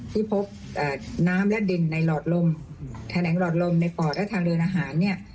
ที่พบน้ำและดินในหลอดลมแถลงหลอดลมในปอดและทางเดินอาหารเนี่ย